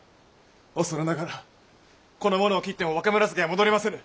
恐れながらこの者を斬っても若紫は戻りませぬ！